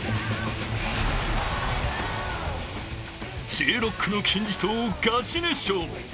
Ｊ−ＲＯＣＫの金字塔をガチ熱唱。